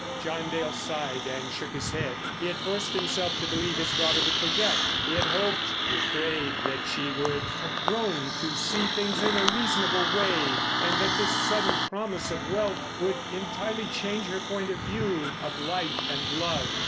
John Dale sighed and shook his head. He had forced himself to believe his daughter would forget. He had hoped, he had prayed, that she would have grown to see things in a reasonable way, and that this sudden promise of wealth would entirely change her point of view of life and love.